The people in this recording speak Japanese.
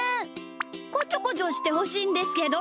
こちょこちょしてほしいんですけど。